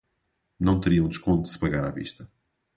Não teria um desconto se pagar à vista.